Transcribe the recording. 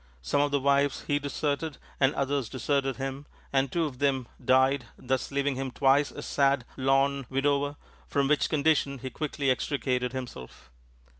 Some of the wives he deserted and others deserted him, and two of them died, thus leaving him twice a sad, lorn widower, from which condition he quickly extricated himself.